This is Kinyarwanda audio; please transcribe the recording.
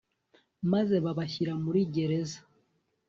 maze babashyira muri gereza